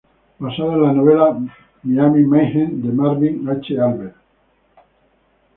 Basada en la novela "Miami Mayhem" de Marvin H. Albert.